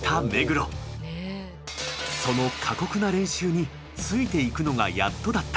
その過酷な練習についていくのがやっとだった。